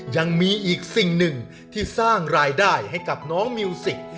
ยังมีอีกสิ่งหนึ่งที่สร้างรายได้ให้กับน้องมิวสิก